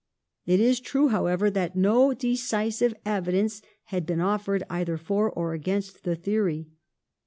It is true, however, that no decisive evidence had been offered either for or against the theory.